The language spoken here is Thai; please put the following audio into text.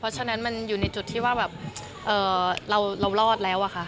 เพราะฉะนั้นมันอยู่ในจุดที่ว่าแบบเรารอดแล้วอะค่ะ